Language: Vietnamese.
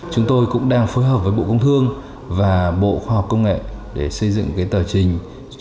chúng tôi cũng đang phối hợp với bộ công thương và bộ khoa học công nghệ để xây dựng cái tờ trình